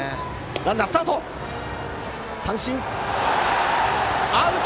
ランナースタートしたがアウト！